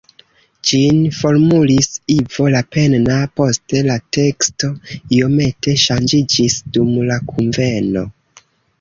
Ĝin formulis Ivo Lapenna, poste la teksto iomete ŝanĝiĝis dum la kunveno.